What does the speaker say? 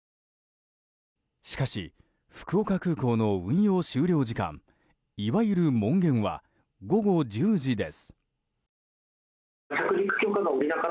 しかし、福岡空港の運用終了時間いわゆる門限は午後１０時です。